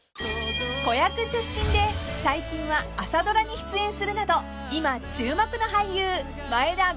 ［子役出身で最近は朝ドラに出演するなど今注目の］